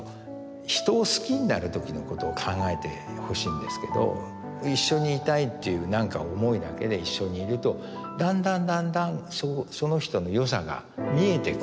人を好きになる時のことを考えてほしいんですけど一緒にいたいっていうなんか思いだけで一緒にいるとだんだんだんだんその人のよさが見えてくる。